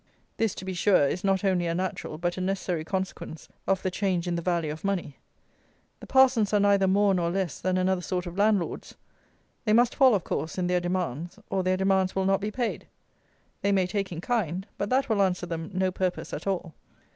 This, to be sure, is not only a natural but a necessary consequence of the change in the value of money. The parsons are neither more nor less than another sort of landlords. They must fall, of course, in their demands, or their demands will not be paid. They may take in kind, but that will answer them no purpose at all.